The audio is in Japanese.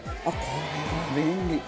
これは便利。